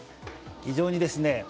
非常にですね